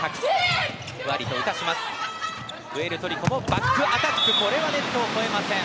バックアタックはネットを越えません。